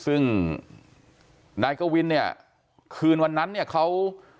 ซึ่งนายกวินเนี่ยคืนวันนั้นเนี่ยเขา